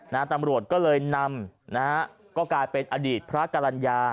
ตำรวจก็เลยนำนะฮะก็กลายเป็นอดีตพระกรรณญา